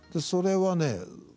それはね